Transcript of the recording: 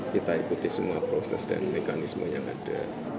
kita ikuti semua proses dan mekanisme yang ada